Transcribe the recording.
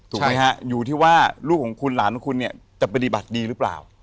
ถูกไหมฮะอยู่ที่ว่าลูกของคุณหลานของคุณเนี่ยจะปฏิบัติดีหรือเปล่า